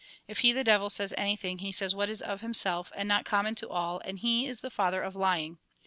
If he, the devil, says anything, he says what is of himself, and not common to all, and he is the father of lying.